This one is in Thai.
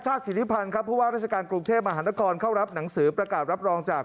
สิริพันธ์ครับผู้ว่าราชการกรุงเทพมหานครเข้ารับหนังสือประกาศรับรองจาก